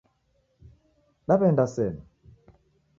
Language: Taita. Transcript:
Daw'eenda sena?